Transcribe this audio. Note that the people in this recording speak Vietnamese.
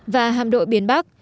và hạm đội biển bắc